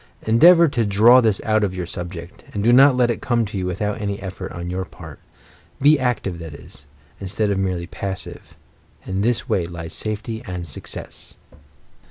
Endeavour to draw this out of your subject, and do not let it come to you without any effort on your part. Be active, that is, instead of merely passive. In this way lies safety and success.